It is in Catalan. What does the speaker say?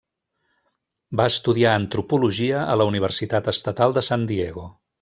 Va estudiar antropologia a la Universitat Estatal de San Diego.